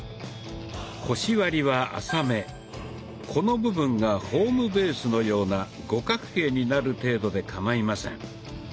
腰割りは浅めこの部分がホームベースのような五角形になる程度でかまいません。